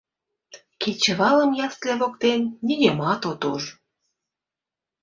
Кечывалым ясле воктен нигӧмат от уж.